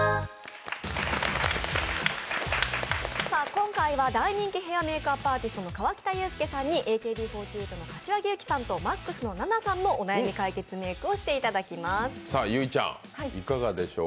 今回は大人気ヘアメークアップアーティストの河北裕介さんにＡＫＢ４８の柏木由紀さんとＭＡＸのＮＡＮＡさんのお悩み解決メークしていただきます。